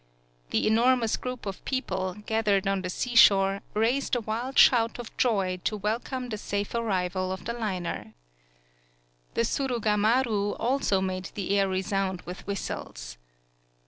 The enormous group of people, gath ered on the seashore, raised a wilcl shout 160 TSUGARU STRAIT of joy to welcome the safe arrival of the liner. The Surugamaru also made the air resound with whistles!